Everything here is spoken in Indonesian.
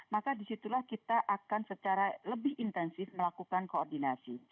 maka disitulah kita akan secara lebih intensif melakukan koordinasi